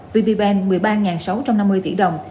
vvben một mươi ba sáu trăm năm mươi tỷ đồng